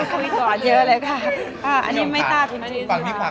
คุยก่อนเยอะเลยค่ะ